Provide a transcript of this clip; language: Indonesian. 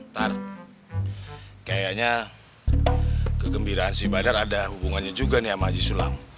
bentar kayaknya kegembiraan si badar ada hubungannya juga nih sama haji sulam